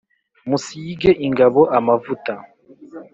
Musige ingabo amavuta